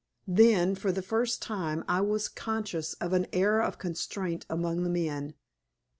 Then, for the first time, I was conscious of an air of constraint among the men.